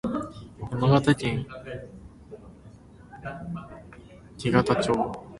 山形県舟形町